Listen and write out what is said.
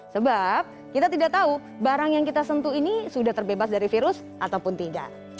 sebab kita tidak tahu barang yang kita sentuh ini sudah terbebas dari virus ataupun tidak